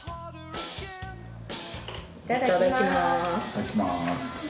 いただきます。